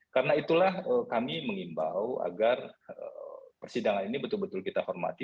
karena itulah kami mengimbau agar persidangan ini betul betul kita hormati